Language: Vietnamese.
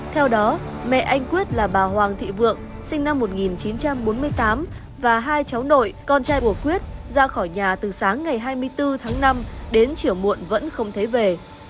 theo đó mẹ anh quyết là bà hoàng thị vượng sinh năm một nghìn chín trăm bốn mươi tám và hai cháu nội con trai của quyết ra khỏi nhà từ sáng ngày hai mươi bốn tháng năm đến chiều muộn vẫn không thấy về